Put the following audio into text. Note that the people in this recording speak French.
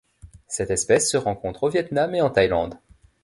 Cette espèce se rencontre au Viêt Nam et en Thaïlande.